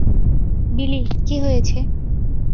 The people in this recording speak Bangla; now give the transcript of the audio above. বিলি, কী হয়েছে?